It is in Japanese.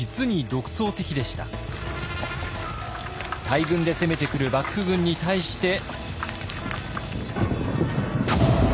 大軍で攻めてくる幕府軍に対して。